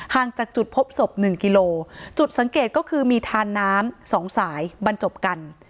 จากจุดพบศพหนึ่งกิโลจุดสังเกตก็คือมีทานน้ำสองสายบรรจบกัน